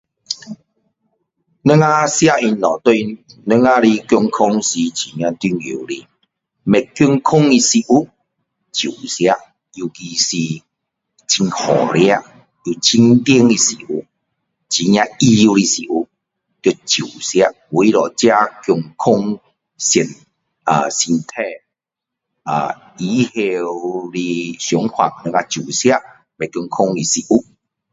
我们吃的东西对我们的健康是很重要的。不健康的食物，少吃。由其是很好吃，很甜的食物，很油的食物，要少吃。为自己的健康身体以后的想法，我们少吃不健康的食物。